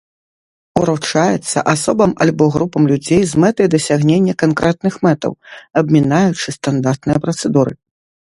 Уручаецца асобам альбо групам людзей з мэтай дасягнення канкрэтных мэтаў, абмінаючы стандартныя працэдуры.